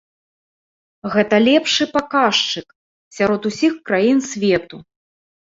Гэта лепшы паказчык сярод усіх краін свету.